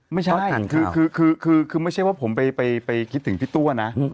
ไม่ใช่คือไม่ใช่ว่าผมไปคิดถึงพี่ตัวนะ